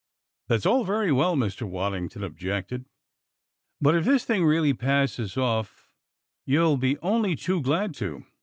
"That's all very well," Mr. Waddington objected, "but if this thing really passes off, you'll be only too glad to.